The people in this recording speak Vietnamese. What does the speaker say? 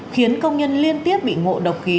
khiến công nhân liên tiếp bị ngộ độc khí